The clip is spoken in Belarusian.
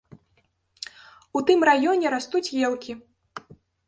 У тым раёне растуць елкі.